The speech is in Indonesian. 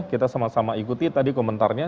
kita sama sama ikuti tadi komentarnya